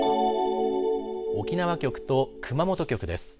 沖縄局と熊本局です。